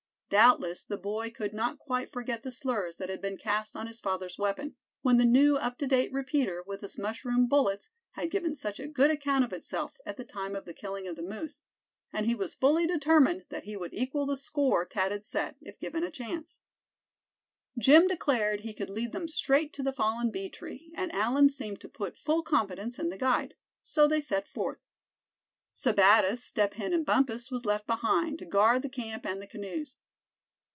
Doubtless the boy could not quite forget the slurs that had been cast on his father's weapon, when the new up to date repeater, with its mushroom bullets, had given such a good account of itself, at the time of the killing of the moose; and he was fully determined that he would equal the score Thad had set, if given a chance. Jim declared he could lead them straight to the fallen bee tree, and Allan seemed to put full confidence in the guide. So they set forth. Sebattis, Step Hen and Bumpus was left behind, to guard the camp and the canoes.